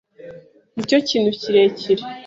ni cyo kintu kirekire